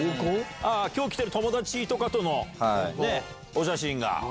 きょう来てる友達とかとのお写真が。